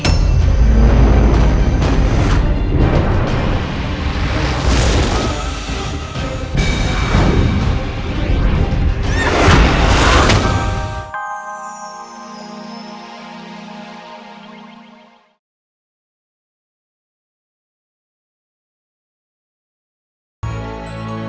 aku akan menghentikannya